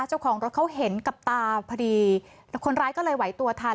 เจ้าของรถเขาเห็นกับตาพอดีคนร้ายก็เลยไหวตัวทัน